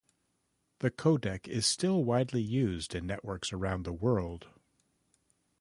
The codec is still widely used in networks around the world.